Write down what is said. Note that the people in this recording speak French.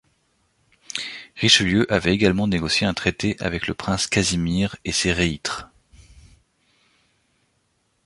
Richelieu avait également négocié un traité avec le prince Casimir et ses reîtres.